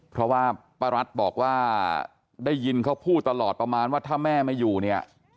เพราะว่าป้ารัฐบอกว่าได้ยินเขาพูดตลอดประมาณว่าถ้าแม่ไม่อยู่เนี่ย